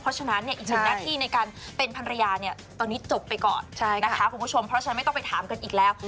เพราะฉะนั้นเนี่ยอีกหนึ่งหน้าที่ในการเป็นภรรยาเนี่ยตอนนี้จบไปก่อนนะคะคุณผู้ชมเพราะฉะนั้นไม่ต้องไปถามกันอีกแล้ว